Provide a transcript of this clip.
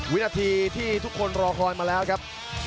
วินาทีที่ทุกคนรอคอยมาแล้วครับ